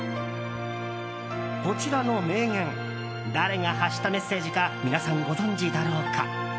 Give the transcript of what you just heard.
こちらの名言誰が発したメッセージか皆さん、ご存じだろうか。